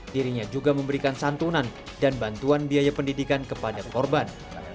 dirinya juga memberikan santunan dan bantuan biaya pendidikan kepada korban